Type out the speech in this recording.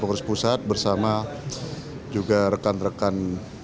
pengurus pusat bersama juga rekan rekan